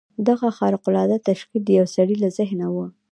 دغه خارق العاده تشکیل د یوه سړي له ذهنه و